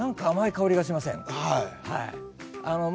甘い香りがしませんか？